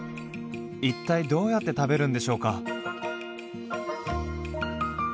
一体どうやって食べるんでしょうか？